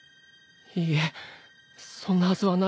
いいえそんなはずはないです。